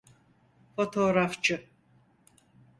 Fotoğrafçı…